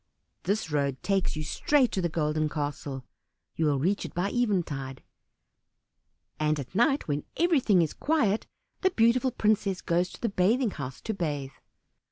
This road takes you straight to the Golden Castle, you will reach it by eventide; and at night when everything is quiet the beautiful princess goes to the bathing house to bathe.